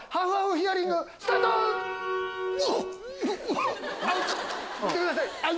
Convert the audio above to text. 言ってください！